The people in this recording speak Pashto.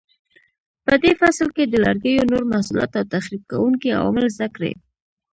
په دې فصل کې د لرګیو نور محصولات او تخریب کوونکي عوامل زده کړئ.